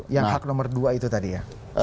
yang hak nomor dua itu tadi ya